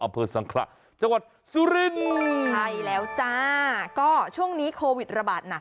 อำเภอสังขระจังหวัดสุรินทร์ใช่แล้วจ้าก็ช่วงนี้โควิดระบาดหนัก